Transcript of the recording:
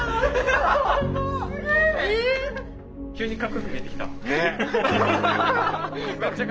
急にかっこよく見えてきた。ね！